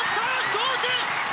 同点！